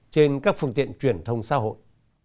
trên các phương tiện truyền thông xã hội